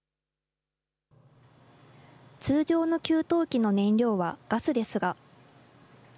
通常の給湯器の燃料はガスですが。